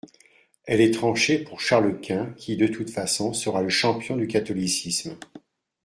Elle est tranchée pour Charles-Quint, qui, de toutes façons, sera le champion du catholicisme.